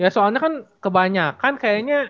soalnya kan kebanyakan kayaknya